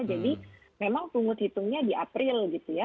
jadi memang pengut hitungnya di april gitu ya